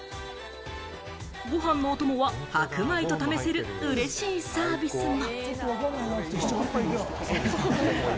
ご飯のお供は白米と試せる嬉しいサービスも。